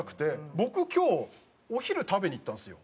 僕今日お昼食べに行ったんですよ。